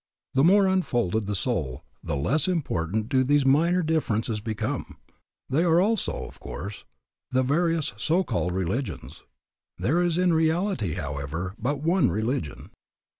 The more unfolded the soul the less important do these minor differences become. There are also, of course, the various so called religions. There is in reality, however, but one religion.